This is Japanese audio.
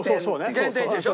減点１でしょ？